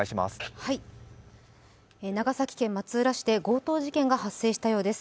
長崎県松浦市で強盗事件が発生したようです。